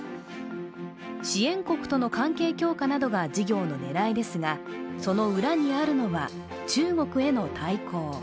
支援国との関係強化などが事業の狙いですが、その裏にあるのは中国への対抗。